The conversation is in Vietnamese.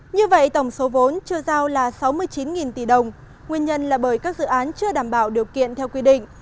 như vậy tổng số vốn chưa giao là sáu mươi chín tỷ đồng nguyên nhân là bởi các dự án chưa đảm bảo điều kiện theo quy định